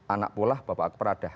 anak polah bapak aku peradah